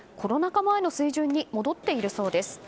前の水準に戻っているそうです。